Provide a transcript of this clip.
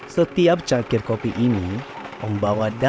setiap cakir kopi ini membawa dampak yang jauh lebih dalam